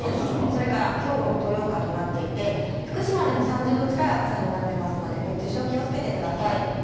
それから兵庫の豊岡となっていて、福島でも３０度近い暑さになってますので、熱中症気をつけてください。